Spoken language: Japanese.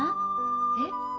えっ？